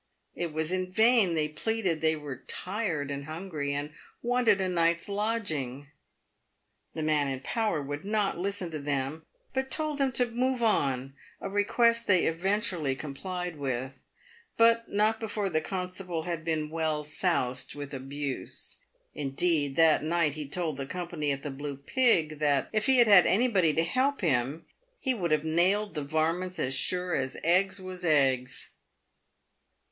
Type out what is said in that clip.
It was in vain they pleaded they were tired and hungry, and wanted a night's lodging. The man in power would not listen to them, but told them to move on — a request they eventually complied with, but not before the constable had been well soused with abuse. Indeed, he that night told the company at the Blue Pig that, if he had had anybody to help him, he would have nailed the varmints as sure as eggs was eggs.